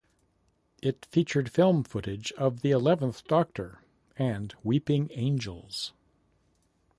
It featured filmed footage of the Eleventh Doctor, and weeping angels.